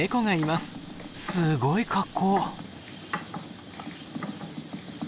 すごい格好。